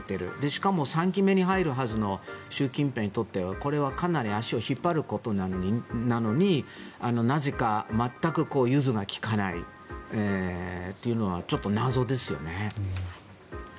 しかも、３期目に入るはずの習近平にとってはこれはかなり足を引っ張ることなのになぜか全く融通が利かないというのがちょっと謎ですよね。